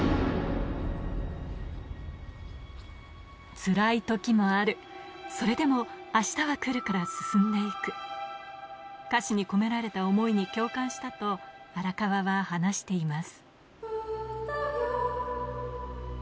つらい時もあるそれでも明日は来るから進んでいく歌詞に込められた思いに共感したと荒川は話しています